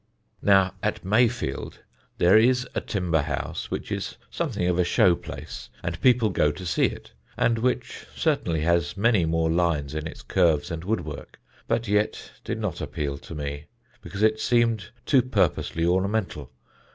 Now at Mayfield there is a timber house which is something of a show place, and people go to see it, and which certainly has many more lines in its curves and woodwork, but yet did not appeal to me, because it seemed too purposely ornamental.